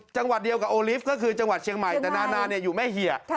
จังหวัดเดียวกับโอลิฟต์ก็คือจังหวัดเชียงใหม่แต่นานาอยู่แม่เหี่ย